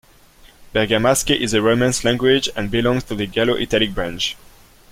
Bergamasque is a Romance language and belongs to the Gallo-Italic branch.